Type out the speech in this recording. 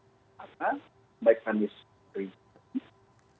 pertama mekanisme kripto